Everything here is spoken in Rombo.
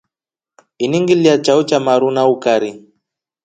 Ini ngililya chao cha maru na ukari.